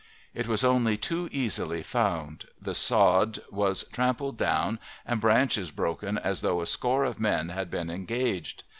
It was only too easily found; the sod was trampled down and branches broken as though a score of men had been engaged.